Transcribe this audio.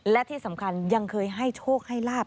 และที่สำคัญยังเคยให้โชคให้ลาบ